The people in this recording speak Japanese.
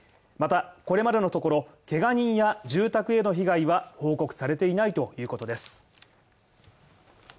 また、これまでのところけが人や住宅への被害は報告されていないということです。